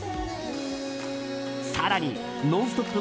更に「ノンストップ！」